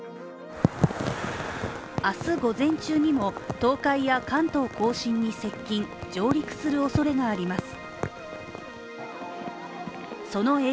明日午前中にも東海や関東甲信に接近、上陸するおそれがあります。